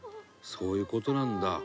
そういう事なんだ。